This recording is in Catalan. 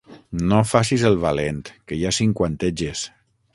No facis el valent, que ja cinquanteges.